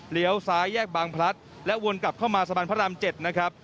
เลี้ยวซ้ายแยกบางพลัดและวนกลับเข้ามาสะบันพระราม๗